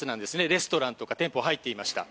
レストランとか店舗が入っていました。